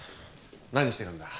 何してるんだ？